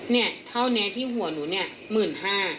เนี่ยเท่านี้ที่หัวหนูเนี่ย๑๕๐๐บาท